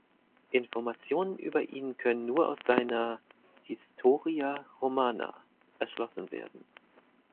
Informationen über ihn können nur aus seiner "Historia Romana" erschlossen werden.